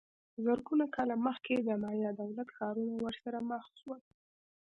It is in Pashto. زرګونه کاله مخکې د مایا دولت ښارونه ورسره مخ سول